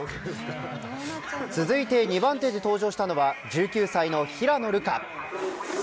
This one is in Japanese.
続いて２番手で登場したのは１９歳の平野流佳。